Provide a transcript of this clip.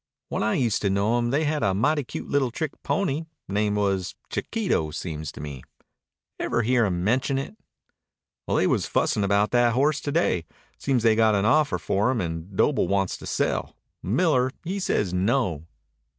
"When I usta know 'em they had a mighty cute little trick pony name was Chiquito, seems to me. Ever hear 'em mention it?" "They was fussin' about that horse to day. Seems they got an offer for him and Doble wants to sell. Miller he says no."